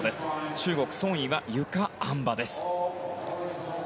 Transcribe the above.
中国、ソン・イはゆか、あん馬です。